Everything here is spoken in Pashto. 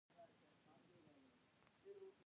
چین په فضایي ټیکنالوژۍ لګښت کوي.